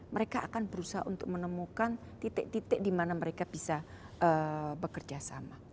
mereka akan berusaha untuk menemukan titik titik di mana mereka bisa bekerja sama